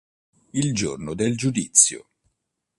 Il giorno del giudizio